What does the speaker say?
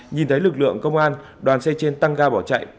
nhìn thấy lực lượng công an đoàn xe trên tăng ga bỏ chạy